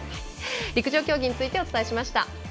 陸上競技についてお伝えしました。